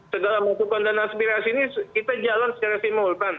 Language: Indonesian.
segala masukan dan aspirasi ini kita jalan secara simultan